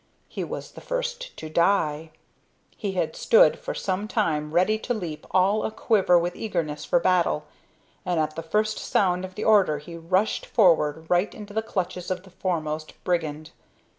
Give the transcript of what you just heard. He was the first to die. He had stood for some time ready to leap all a quiver with eagerness for battle, and at the first sound of the order he rushed forward right into the clutches of the foremost brigand.